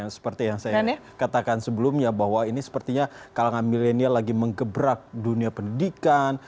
seperti yang saya katakan sebelumnya bahwa ini sepertinya kalangan milenial lagi mengebrak dunia pendidikan